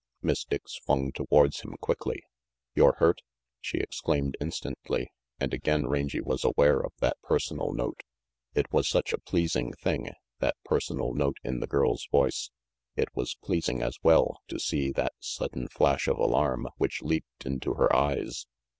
Miss Dick swung towards him quickly. "You're hurt?" she exclaimed instantly, and again Rangy was aware of that personal note. It was such a pleasing thing, that personal note in the girl's voice. It was pleasing, as well, to see that sudden flash of alarm which leaped into her eyes.